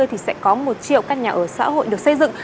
thì sẽ có một triệu căn nhà ở xã hội được xây dựng